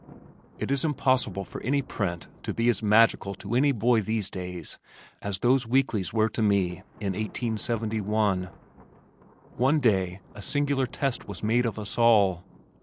It is impossible for any print to be as magical to any boy these days as those weeklies were to me in 1871. One day a singular test was made of us all.